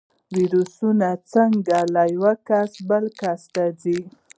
ویروسونه څنګه له یو کس بل ته ځي؟